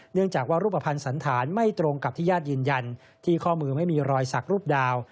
เนื่องจากว่ารูปภัณฑ์สันธารไม่ตรงกับที่ญาติยืนยันที่ข้อมือไม่มีรอยสักรูปดาว